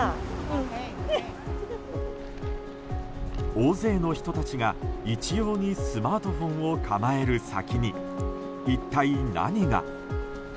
大勢の人たちが、一様にスマートフォンを構える先に一体、何が？